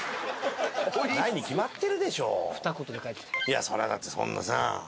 いやそらだってそんなさ。